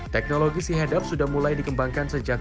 teknologi c headaf sudah mulai dikembangkan sejak dua ribu dua